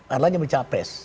erlangga menjadi capres